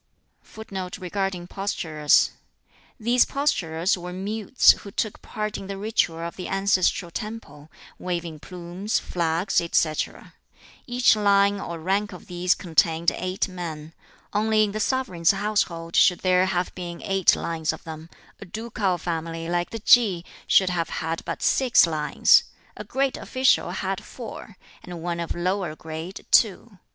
] [Footnote 5: These posturers were mutes who took part in the ritual of the ancestral temple, waving plumes, flags, etc. Each line or rank of these contained eight men. Only in the sovereign's household should there have been eight lines of them; a ducal family like the Ki should have had but six lines; a great official had four, and one of lower grade two.